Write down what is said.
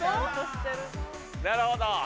なるほど。